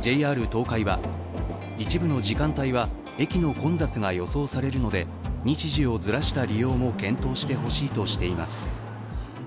ＪＲ東海は一部の時間帯は駅の混雑が予想されるので日時をずらした利用も検討してほしいとしています。